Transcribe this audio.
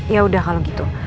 ya udah kalau gitu